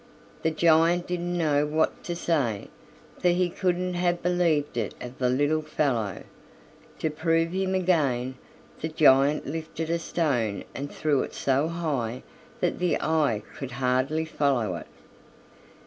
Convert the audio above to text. The giant didn't know what to say, for he couldn't have believed it of the little fellow. To prove him again, the giant lifted a stone and threw it so high that the eye could hardly follow it.